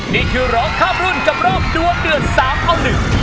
นี่คือร้องข้ามรุ่นกับรอบดวนเดือดสามเอาหนึ่ง